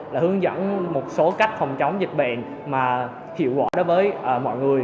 là hướng dẫn một số cách không chống dịch bệnh mà hiệu quả với mọi người